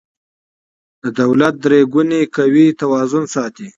د دولت درې ګونې قوې توازن ساتي